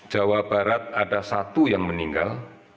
jawa barat ada satu yang meninggal